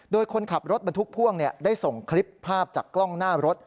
โดยคนขับรถบรรทุกพ่วงได้ส่งคลิปภาพจากกล้องหน้ารถ